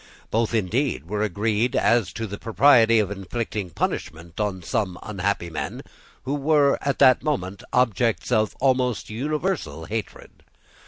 Both, indeed, were agreed as to the propriety of inflicting punishment on some unhappy men who were, at that moment, objects of almost universal hatred.